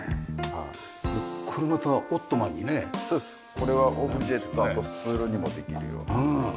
これはオブジェとあとスツールにもできるように。